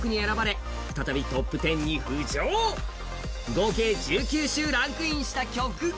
合計１９週ランクインした曲が